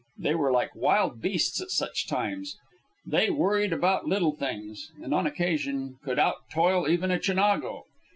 They were like wild beasts at such times. They worried about little things, and on occasion could out toil even a Chinago.